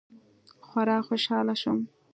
خورا خوشاله سوم.